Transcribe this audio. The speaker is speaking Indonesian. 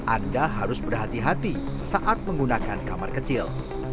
anda harus berhati hati saat menggunakan kamar kecil